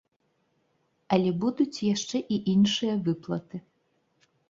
Але будуць яшчэ і іншыя выплаты.